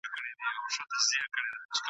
نن که دي وګړي د منبر په ریا نه نیسي !.